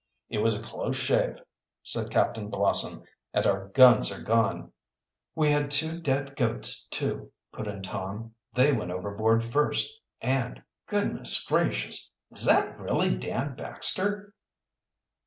"It was a close shave," said Captain Blossom. "And our guns are gone." "We had two dead goats, too," put in Tom. "They went overboard first, and goodness gracious is that really Dan Baxter?"